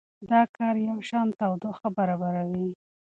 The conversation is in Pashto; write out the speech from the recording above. دا کار یوشان تودوخه برابروي.